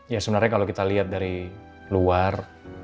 ya sebenarnya kalau kita lihat dari luar